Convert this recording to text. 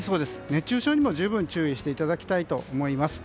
熱中症にも十分注意していただきたいと思います。